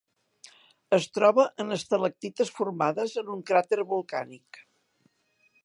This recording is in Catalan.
Es troba en estalactites formades en un cràter volcànic.